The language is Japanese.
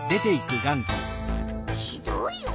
ひどいよ。